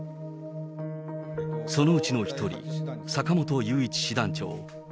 そのうちの１人、坂本雄一師団長。